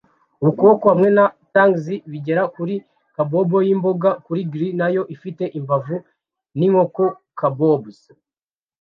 Ukuboko hamwe na tangs bigera kuri kabob y'imboga kuri grill nayo ifite imbavu n'inkoko kabobs